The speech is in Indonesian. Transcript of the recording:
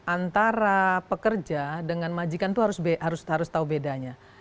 antara pekerja dengan majikan itu harus tahu bedanya